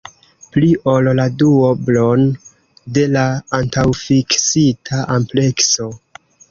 Pli ol la duoblon de la antaŭfiksita amplekso!